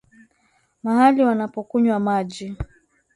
mahali wanapokunywa maji